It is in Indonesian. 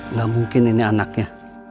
nggak mungkin ini anaknya